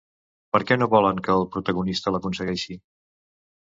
Per què no volen que el protagonista l'aconsegueixi?